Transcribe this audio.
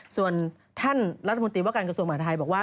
ส่วนท่านรัฐมนตรีวภกรรณกระทรวงอันทรมานไทยบอกว่า